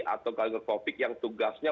atau kaget covid sembilan belas yang tugasnya